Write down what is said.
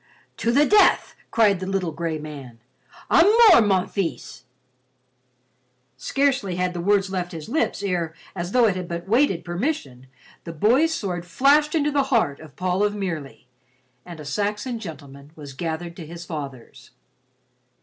"To the death," cried the little gray man, "à mort, mon fils." Scarcely had the words left his lips ere, as though it had but waited permission, the boy's sword flashed into the heart of Paul of Merely, and a Saxon gentleman was gathered to his fathers.